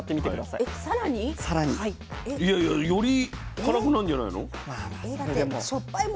いやいやより辛くなるんじゃないの？